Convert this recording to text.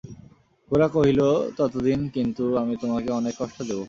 গোরা কহিল, ততদিন কিন্তু আমি তোমাকে অনেক কষ্ট দেব।